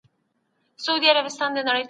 افغان ښځي د غونډو جوړولو قانوني اجازه نه لري.